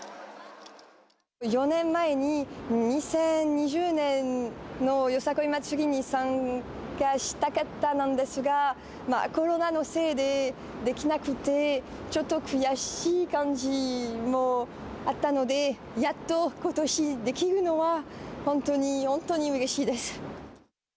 ４年前に２０２０年のよさこい祭りに参加したかったんですが、コロナのせいでできなくて、ちょっと悔しい感じもあったので、やっとことしできるのは、本当に本当にうれしいです。